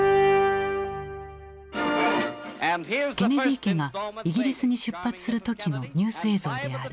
ケネディ家がイギリスに出発する時のニュース映像である。